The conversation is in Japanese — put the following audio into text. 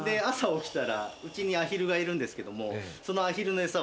うちにアヒルがいるんですけども。